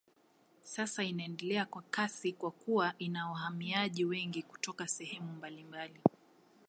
Sasa inaendelea kwa kasi kwa kuwa ina wahamiaji wengi kutoka sehemu mbalimbali.